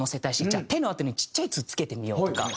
じゃあ「て」のあとにちっちゃい「つ」つけてみようとか。